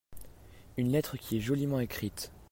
Une lettre qui est joliment écrite.